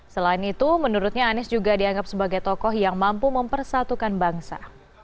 selain itu menurutnya anies juga dianggap sebagai tokoh yang mampu mempersatukan bangsa